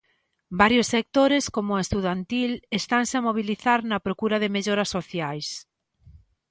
Varios sectores, coma o estudantil, estanse a mobilizar na procura de melloras sociais.